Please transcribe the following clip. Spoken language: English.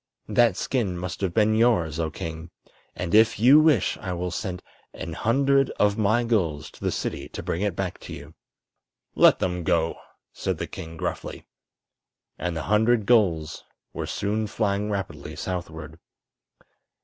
That skin must have been yours, oh king, and if you wish I will sent an hundred of my gulls to the city to bring it back to you." "Let them go!" said the king, gruffly. And the hundred gulls were soon flying rapidly southward.